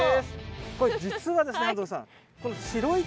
これ実はですね安藤さん